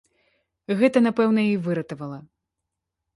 Гэта, напэўна, і выратавала.